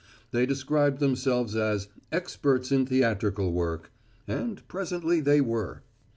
They described themselves as "experts in theatrical work," and presently they were.